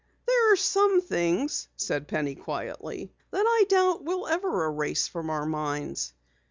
"There are some things," said Penny quietly, "that I doubt we'll ever erase from our minds."